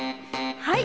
はい！